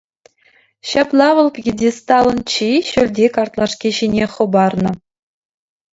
Ҫапла вӑл пьедесталӑн чи ҫӳлти картлашки ҫине хӑпарнӑ.